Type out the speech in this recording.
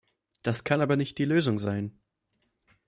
Das kann aber nicht die Lösung sein!